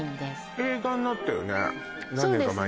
映画になったよね